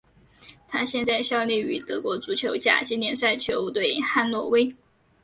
他现在效力于德国足球甲级联赛球队汉诺威。